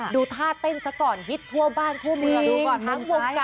ดูท่าเต้นสักก่อนฮิตทั่วบ้านทั่วเมือง